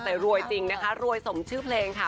แต่รวยจริงนะคะรวยสมชื่อเพลงค่ะ